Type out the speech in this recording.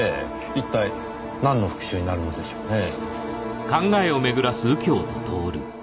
一体なんの復讐になるのでしょうねぇ？